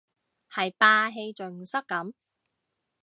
係霸氣盡失咁